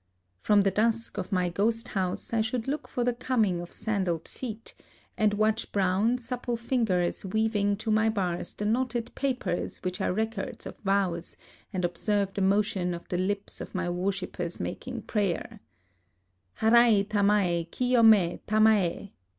From the dusk of my ghost house I should look for the coming of sandaled feet, and watch brown supple fingers weaving to my bars the knotted papers which are records of vows, and observe the motion of the lips of my worshipers making prayer :——" Harai tamai Tciyome tamae